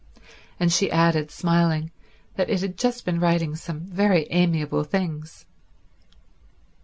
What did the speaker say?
And she added smiling, that it had just been writing some very amiable things.